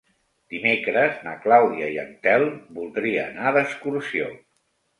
Dimecres na Clàudia i en Telm voldria anar d'excursió.